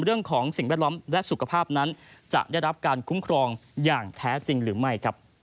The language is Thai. สิ่งแวดล้อมและสุขภาพนั้นจะได้รับการคุ้มครองอย่างแท้จริงหรือไม่